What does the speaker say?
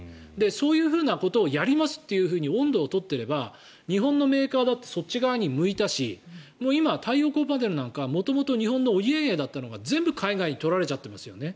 そういうふうなことをやりますと音頭を取っていれば日本のメーカーだってそっち側に向いたし今、太陽光パネルなんか元々日本のお家芸だったのが全部海外に取られちゃってますよね。